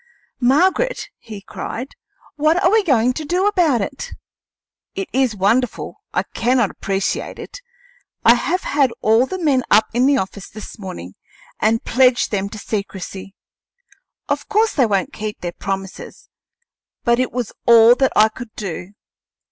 "Margaret," he cried, "what are we going to do about it? It is wonderful; I cannot appreciate it. I have had all the men up in the office this morning and pledged them to secrecy. Of course they won't keep their promises, but it was all that I could do.